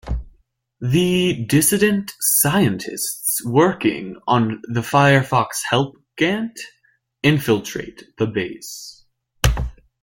The dissident scientists working on the Firefox help Gant infiltrate the base.